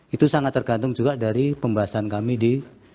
itu sangat tergantung juga dari pembahasan kami di